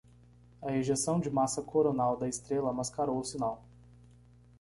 A ejeção de massa coronal da estrela mascarou o sinal.